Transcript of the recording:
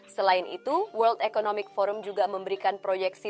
selain itu world economic forum juga memberikan proyeksi